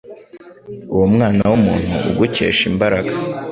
uwo mwana w’umuntu ugukesha imbaraga